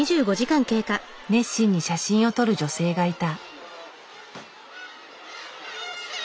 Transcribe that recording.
熱心に写真を撮る女性がいた。